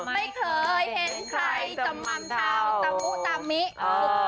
ไม่เคยเห็นใครจำม่ำเท้าจำมุจำมิสุด